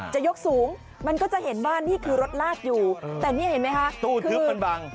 จะยกสูงมันก็จะเห็นบ้านนี่คือรถลากอยู่แต่นี่เห็นไหมคะตู้ทึบมันบัง